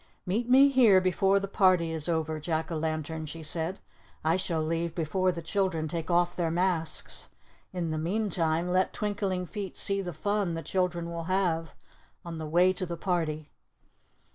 "Meet me here before the party is over, Jack o' Lantern," she said. "I shall leave before the children take off their masks. In the meantime, let Twinkling Feet see the fun the children will have on the way to the party."